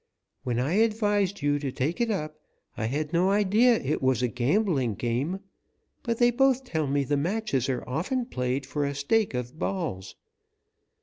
When I advised you to take it up I had no idea it was a gambling game, but they both tell me the matches are often played for a stake of balls.